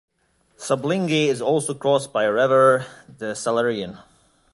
Subligny is also crossed by a river, the Salereine.